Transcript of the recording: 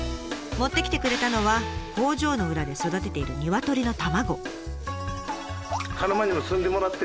持ってきてくれたのは工場の裏で育てている鶏の卵。